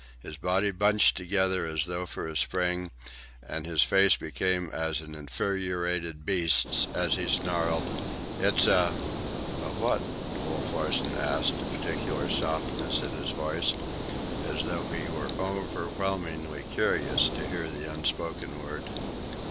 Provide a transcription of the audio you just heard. His body bunched together as though for a spring, and his face became as an infuriated beast's as he snarled, "It's a—" "A what?" Wolf Larsen asked, a peculiar softness in his voice, as though he were overwhelmingly curious to hear the unspoken word.